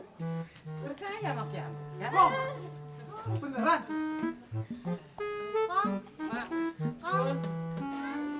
percaya sama kiamat